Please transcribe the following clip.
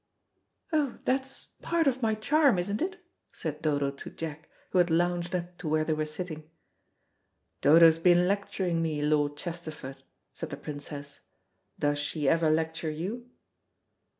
"Oh, that's part of my charm, isn't it?" said Dodo to Jack, who had lounged up to where they were sitting. "Dodo's been lecturing me, Lord Chesterford," said the Princess. "Does she ever lecture you?"